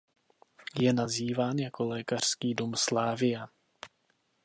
Je nazýván jako Lékařský dům Slavia.